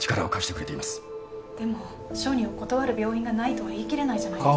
でも小児を断る病院がないとは言い切れないじゃないですか。